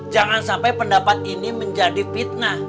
jangan sampai pendapat ini menjadi fitnah